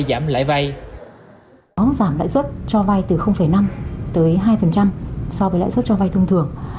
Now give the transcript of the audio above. giảm lãi suất cho vay từ năm tới hai so với lãi suất cho vay thông thường